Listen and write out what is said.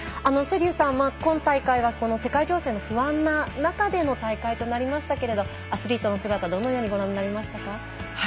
瀬立さん、今大会は世界情勢の不安な中での大会となりましたけれどアスリートの姿どのようにご覧になりましたか。